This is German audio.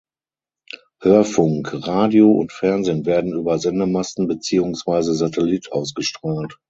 Hörfunk (Radio) und Fernsehen werden über Sendemasten beziehungsweise Satellit ausgestrahlt.